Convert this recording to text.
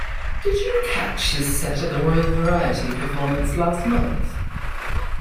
Did you catch his set at the The Royal Variety Performance last month?